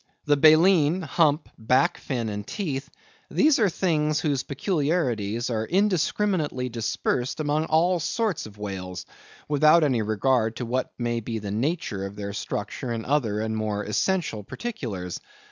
The baleen, hump, back fin, and teeth; these are things whose peculiarities are indiscriminately dispersed among all sorts of whales, without any regard to what may be the nature of their structure in other and more essential particulars.